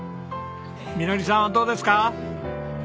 美乃里さんはどうですか？